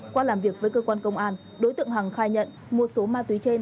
qua làm việc với cơ quan công an đối tượng hằng khai nhận một số ma túy trên